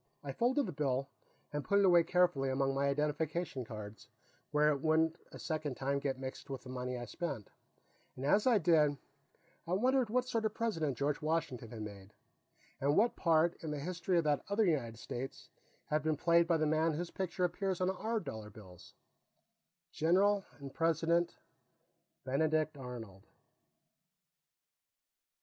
I folded the bill and put it away carefully among my identification cards, where it wouldn't a second time get mixed with the money I spent, and as I did, I wondered what sort of a President George Washington had made, and what part, in the history of that other United States, had been played by the man whose picture appears on our dollar bills General and President Benedict Arnold.